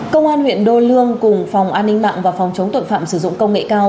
công an huyện đô lương cùng phòng an ninh mạng và phòng chống tội phạm sử dụng công nghệ cao